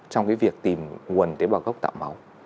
trong cái việc tìm nguồn tế bào gốc tạo máu